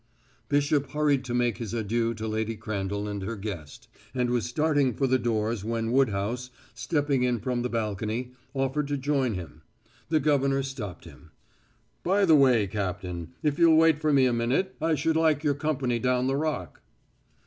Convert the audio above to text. Bishop hurried to make his adieux to Lady Crandall and her guest, and was starting for the doors when Woodhouse, stepping in from the balcony, offered to join him. The governor stopped him. "By the way, Captain, if you'll wait for me a minute I should like your company down the Rock."